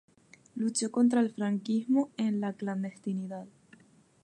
Luchó contra el franquismo en la clandestinidad.